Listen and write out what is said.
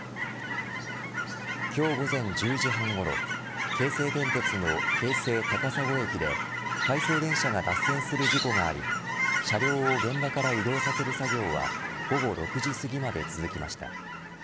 今日午前１０時半ごろ京成電鉄の京成高砂駅で回送電車が脱線する事故があり車両を現場から移動させる作業は午後６時すぎまで続きました。